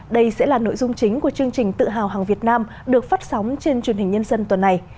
đây sẽ là nội dung chính của chương trình tự hào hàng việt nam được phát sóng trên truyền hình nhân dân tuần này